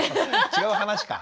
違う話か。